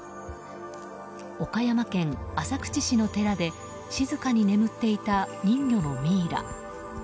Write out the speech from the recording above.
岡山県浅口市の寺で静かに眠っていた人魚のミイラ。